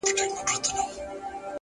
درد زغمي.